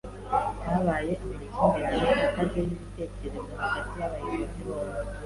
Habaye amakimbirane akaze y’ibitekerezo hagati y’abayobozi bombi